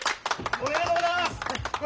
おめでとうございます！